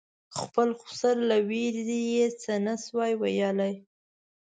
خپل خسر له وېرې یې څه نه شو ویلای.